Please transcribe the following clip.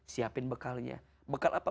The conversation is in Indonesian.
siapin bekalnya bekal apa